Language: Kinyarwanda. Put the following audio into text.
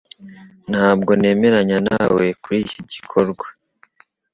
Ntabwo nemeranya nawe kuri iki gikorwa.